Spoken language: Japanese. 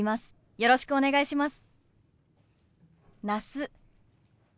よろしくお願いします。